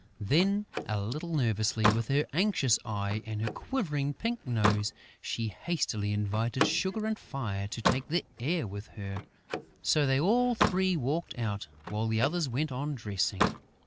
Then, a little nervously, with an anxious eye and a quivering pink nose, she hastily invited Sugar and Fire to take the air with her. So they all three walked out, while the others went on dressing.